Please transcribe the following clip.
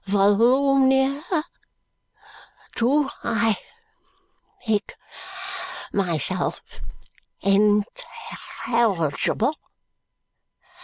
Volumnia, do I make myself intelligible?